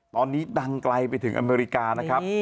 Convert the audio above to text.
ตอนนี้ดังไกลไปถึงอเมริกานะครับ